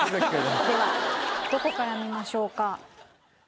ではどこから見ましょうか？